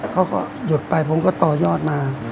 ก็หยุดไปลงเขาจะต่อยอดมา